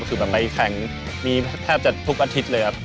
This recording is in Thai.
คือแบบไปแข่งนี้แทบจะทุกอาทิตย์เลยครับ